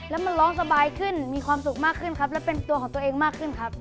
แล้วมันร้องสบายขึ้นมีความสุขมากขึ้นครับและเป็นตัวของตัวเองมากขึ้นครับ